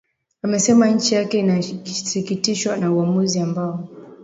amesema nchi yake inashikitishwa na uamuzi ambao